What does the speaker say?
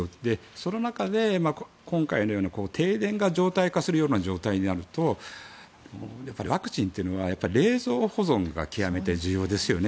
その中で今回のような停電が常態化するような状態になるとやっぱりワクチンというのは冷蔵保存が極めて重要ですよね。